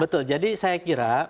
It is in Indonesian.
betul jadi saya kira